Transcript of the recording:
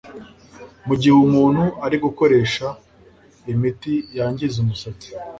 mu gihe umuntu ari gukoresha imiti yangiza umusatsi.